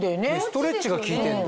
ストレッチが効いてんだ。